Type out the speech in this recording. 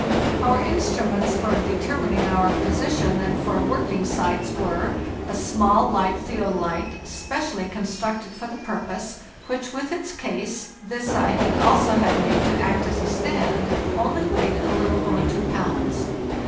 Our zxstruments for determining our position and for 124 FARTHEST NORTH working sights were: a small, light theodolite, specially constructed for the purpose, which, with its case (this I had also had made to act as a stand) only weighed a little over two pounds.